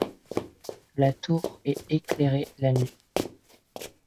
La tour est éclairée la nuit.